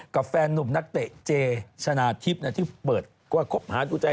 แฟนนุ่มนักเตะเจชนะทิพย์ที่เปิดว่าคบหาดูใจ